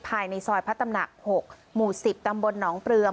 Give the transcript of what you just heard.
ภายในซอยพระตำหนัก๖หมู่๑๐ตำบลหนองเปลือม